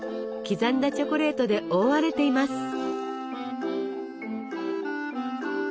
刻んだチョコレートで覆われています。